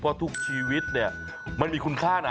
เพราะทุกชีวิตเนี่ยมันมีคุณค่านะ